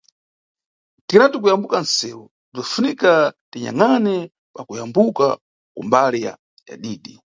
Tikanati kuyambuka nʼsewu, bzinʼfunika tinyangʼane pakuyamba kumbali ya didi.